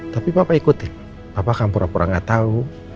tapi papa ikutin papa akan pura pura gak tau